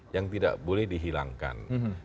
yang tidak boleh dihilangkan